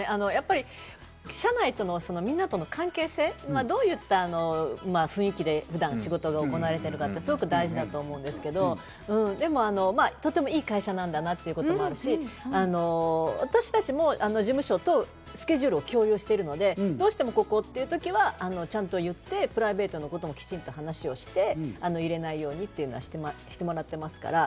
社内とのみんなの関係性、どういった雰囲気で普段の仕事が行われているかって大事だと思うんですけど、とても良い会社なんだなっていうこともあるし、私たちも事務所とスケジュールを共有しているので、どうしてもここという時はちゃんと言って、プライベートのこともきちんと話をして、入れないようにというのはしてもらっていますから。